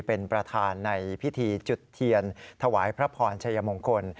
เป็นประธานในพิธีจุดเทียนถวายพระพรชัยมงคล